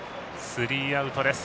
スリーアウトです。